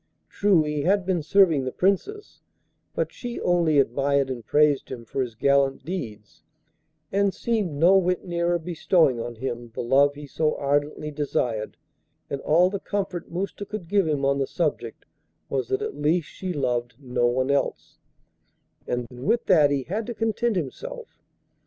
True he had been serving the Princess, but she only admired and praised him for his gallant deeds, and seemed no whit nearer bestowing on him the love he so ardently desired, and all the comfort Mousta could give him on the subject was that at least she loved no one else, and with that he had to content himself.